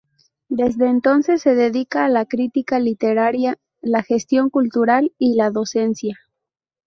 Desde entonces se dedica a la crítica literaria, la gestión cultural y la docencia.